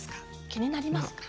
気になりますか？